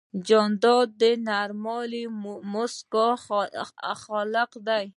جانداد د نرمې موسکا خالق دی.